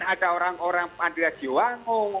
ada orang orang andriasi wango